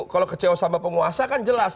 kalau kecewa sama penguasa kan jelas